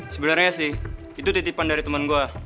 sebenarnya sih itu titipan dari teman gue